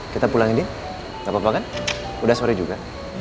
kita pulangin din gak apa apa kan udah sorry juga